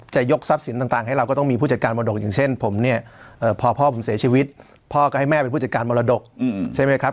ยกทรัพย์สินต่างให้เราก็ต้องมีผู้จัดการมรดกอย่างเช่นผมเนี่ยพอพ่อผมเสียชีวิตพ่อก็ให้แม่เป็นผู้จัดการมรดกใช่ไหมครับ